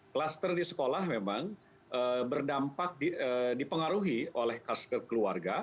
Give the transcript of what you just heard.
kluster di sekolah memang berdampak dipengaruhi oleh kluster keluarga